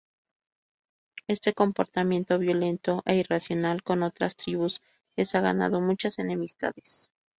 Este comportamiento violento e irracional con otras tribus les ha ganado muchas enemistades.